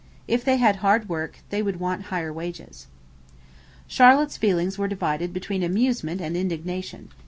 If they had hard work, they would want higher wages.' Charlotte's feelings were divided between amusement and indignation.